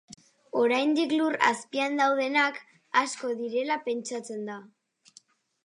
Oraindik lur azpian daudenak asko direla pentsatzen da.